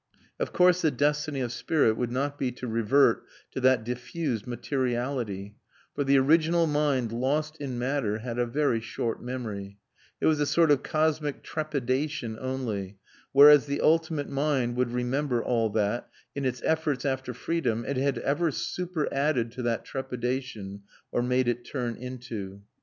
Of course the destiny of spirit would not be to revert to that diffused materiality; for the original mind lost in matter had a very short memory; it was a sort of cosmic trepidation only, whereas the ultimate mind would remember all that, in its efforts after freedom, it had ever super added to that trepidation or made it turn into.